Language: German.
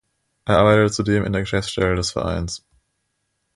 Er arbeitete zudem in der Geschäftsstelle des Vereins.